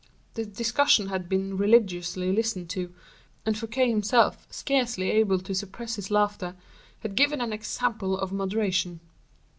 The discussion had been religiously listened to, and Fouquet himself, scarcely able to suppress his laughter, had given an example of moderation.